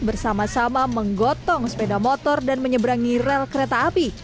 bersama sama menggotong sepeda motor dan menyeberangi rel kereta api